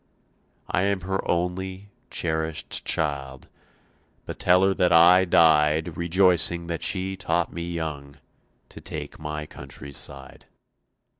I am her only, cherished child, But tell her that I died Rejoicing that she taught me young To take my country's side.